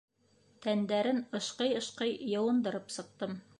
Тәндәрен ышҡый-ышҡый йыуындырып сыҡтым.